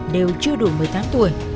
đều chưa đủ một mươi tám tuổi